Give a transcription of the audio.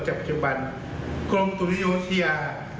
จากปฏิบันกรมโปรโมตุนิยมพิทยา